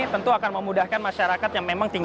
tentu akan memudahkan masyarakat yang memang tinggal